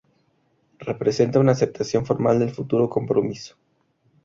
Representa una aceptación formal del futuro compromiso.